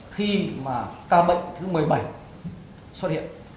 khi mà ca bệnh thứ một mươi bảy xuất hiện